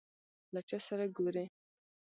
له چا سره ګورې ؟